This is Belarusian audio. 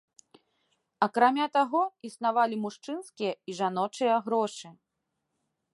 Акрамя таго, існавалі мужчынскія і жаночыя грошы.